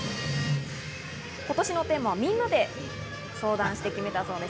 今年のテーマはみんなで相談して決めたそうです。